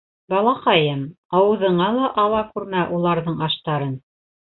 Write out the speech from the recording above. — Балаҡайым, ауыҙыңа ла ала күрмә уларҙың аштарын.